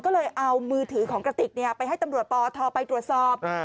ก็เลยเอามือถือของกระติกไปให้ตำรวจปทไปตรวจสอบ